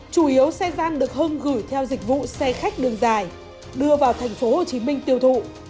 chủ yếu xe gian được hưng gửi theo dịch vụ xe khách đường dài đưa vào thành phố hồ chí minh tiêu thụ